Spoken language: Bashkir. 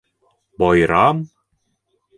Байрам?